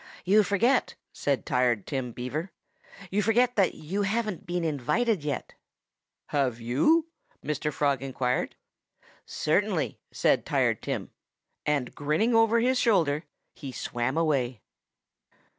"You forget " said Tired Tim Beaver "you forget that you haven't been invited yet." "Have you?" Mr. Frog inquired. "Certainly!" said Tired Tim. And grinning over his shoulder, he swam away.